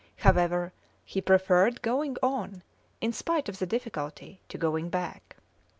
However, he preferred going on, in spite of the difficulty, to going back.